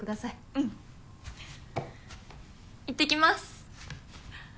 うん行ってきます。